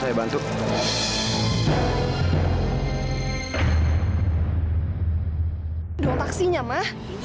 cari dong taksinya mas